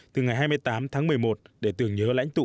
từ ngày hai mươi tám tháng một mươi một để tưởng nhớ lãnh tụ